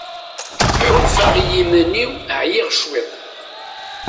Ḥulfaɣ i yiman-iw ɛyiɣ cwiṭ.